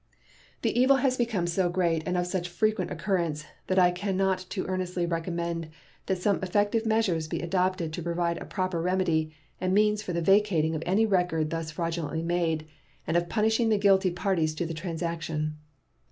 The evil has become so great and of such frequent occurrence that I can not too earnestly recommend that some effective measures be adopted to provide a proper remedy and means for the vacating of any record thus fraudulently made, and of punishing the guilty parties to the transaction.